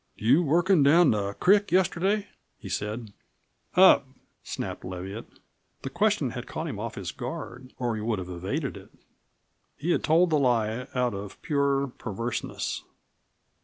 "You workin' down the creek yesterday?" he said. "Up!" snapped Leviatt. The question had caught him off his guard or he would have evaded it. He had told the lie out of pure perverseness.